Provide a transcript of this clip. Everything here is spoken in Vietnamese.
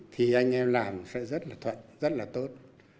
thì anh em làm sẽ rất là thuận rất là tốt